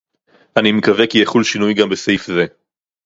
אני מקווה כי יחול שינוי גם בסעיף זה